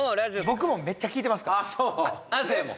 僕もめっちゃ聴いてますから亜生も？